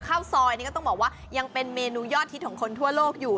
ข้าวซอยนี่ก็ต้องบอกว่ายังเป็นเมนูยอดฮิตของคนทั่วโลกอยู่